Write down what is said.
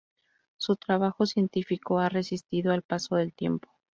Su trabajo científico ha resistido el paso del tiempo.